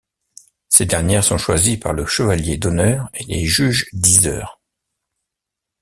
Ces dernières sont choisies par le chevalier d'honneur et les juges-diseurs.